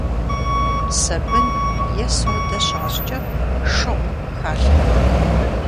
Сабын е содэ щащӀкӀэ, шыгъу халъхьэ.